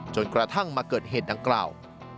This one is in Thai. จนกระทั่งมาเกิดเหตุดังกล่าว